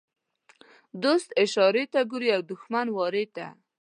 دوست اشارې ته ګوري او دښمن وارې ته.